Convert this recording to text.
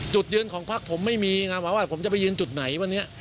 จุดยืนของพักผมไม่มีนะว่าผมจะไปยืนจุดไหนวันนี้